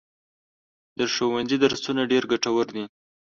د ښوونځي درسونه ډېر ګټور دي.